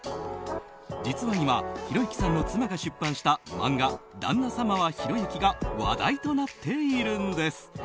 実は今ひろゆきさんの妻が出版した漫画「だんな様はひろゆき」が話題となっているんです。